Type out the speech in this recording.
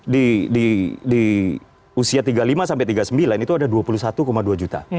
di usia tiga puluh lima sampai tiga puluh sembilan itu ada dua puluh satu dua juta